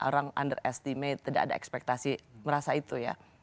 orang under estimate tidak ada ekspektasi merasa itu ya